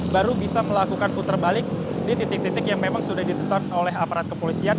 baru bisa melakukan putar balik di titik titik yang memang sudah ditetapkan oleh aparat kepolisian